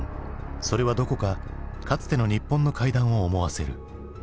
それはどこかかつての日本の怪談を思わせる。